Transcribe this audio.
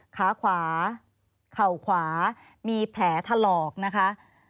ขาขวาเข่าขวามีแผลถลอกนะคะ